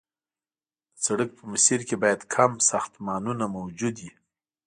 د سړک په مسیر کې باید کم ساختمانونه موجود وي